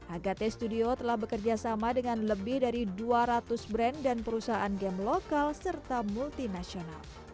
agate studio telah bekerja sama dengan lebih dari dua ratus brand dan perusahaan game lokal serta multinasional